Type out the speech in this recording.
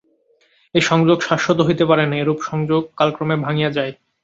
এ সংযোগ শাশ্বত হইতে পারে না, এরূপ সংযোগ কালক্রমে ভাঙিয়া যায়।